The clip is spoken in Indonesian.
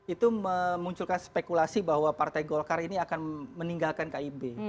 itu memunculkan spekulasi bahwa partai golkar ini akan meninggalkan kib